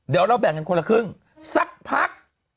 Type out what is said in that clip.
เดี๋ยวเราแบ่งกันคนละครึ่งสักพัก